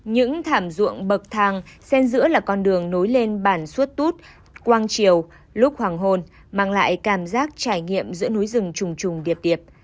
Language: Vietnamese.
những thảm ruộng bậc thang xen giữa là con đường nối lên bản suốt tút quang chiều lúc hoàng hôn mang lại cảm giác trải nghiệm giữa núi rừng trùng trùng điệp điệp